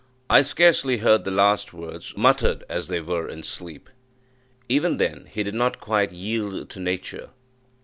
I scarcely heard the last words, muttered, as they were, in sleep. Even then he did not quite yield to nature.